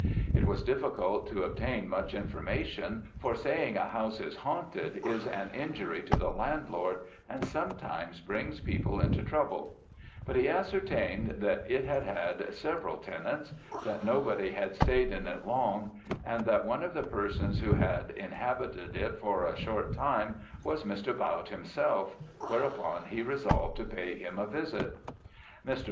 It was difficult to obtain much information for saying a house is haunted, is an injury to the landlord, and sometimes brings people into trouble but he ascertained that it had had several tenants, that nobody had staid in it long, and that one of the persons who had inhabited it for a short time, was Mr. Bautte himself, whereupon he resolved to pay him a visit. "Mr.